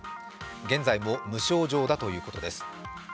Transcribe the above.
現在も無症状だということです。